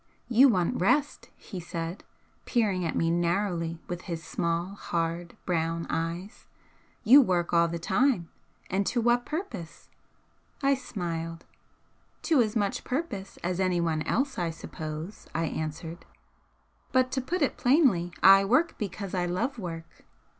"You want rest," he said, peering at me narrowly with his small hard brown eyes "You work all the time. And to what purpose?" I smiled. "To as much purpose as anyone else, I suppose," I answered "But to put it plainly, I work because I love work."